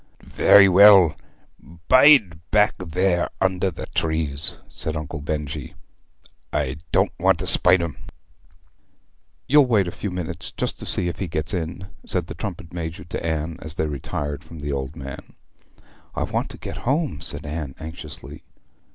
'Very well; bide back there under the trees,' said Uncle Benjy. 'I don't want to spite 'em?' 'You'll wait a few minutes, just to see if he gets in?' said the trumpet major to Anne as they retired from the old man. 'I want to get home,' said Anne anxiously.